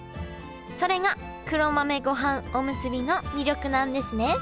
それが黒豆ごはんおむすびの魅力なんですね